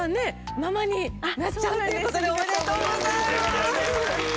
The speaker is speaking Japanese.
ママになっちゃうっていうことでおめでとうございます！